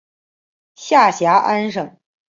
下辖安省。